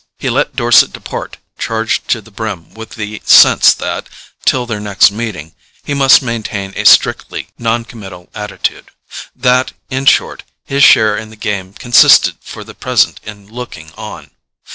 He let Dorset depart charged to the brim with the sense that, till their next meeting, he must maintain a strictly noncommittal attitude; that, in short, his share in the game consisted for the present in looking on.